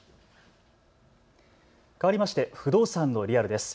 かわりまして不動産のリアルです。